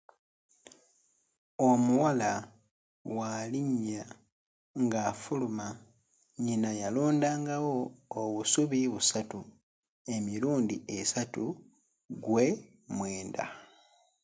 Omuwala w’alinnya ng’afuluma nnyina yalondangawo obusubi busatu emirundi esatu, gwe mwenda.